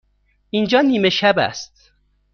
اینجا نیمه شب است.